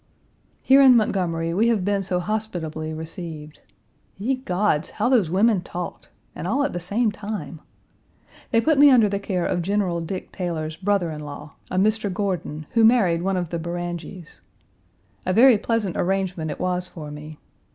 Here in Montgomery, we have been so hospitably received. Ye gods! how those women talked! and all at the same time! They put me under the care of General Dick Taylor's brother in law, a Mr. Gordon, who married one of the Beranges. A very pleasant arrangement it was for me.